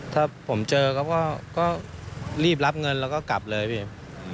ถ้าผมเจอเขาก็รีบรับเงินแล้วก็กลับเลยพี่